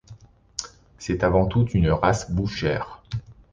C'est avant tout une race bouchère.